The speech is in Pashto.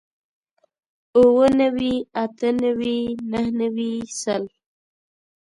اووه نوي اتۀ نوي نهه نوي سل